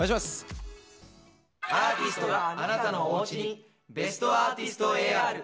アーティストがあなたのおうちに『ベストアーティスト』ＡＲ。